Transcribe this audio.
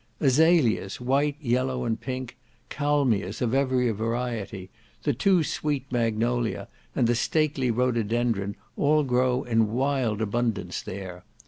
Azalias, white, yellow, and pink; kalmias of every variety, the too sweet magnolia, and the stately rhododendron, all grow in wild abundance there.